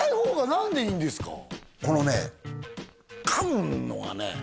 このね噛むのがね